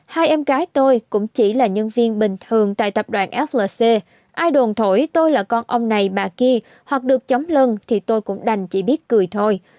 hai em gái tôi cũng chỉ là nhân viên bình thường tại tập đoàn flc ai đồn thổi tôi là con ông này bà kia hoặc được chống lân thì tôi cũng đành chỉ biết cười thôi